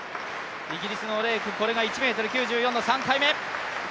イギリスのレイク、これが１ｍ９４の３回目。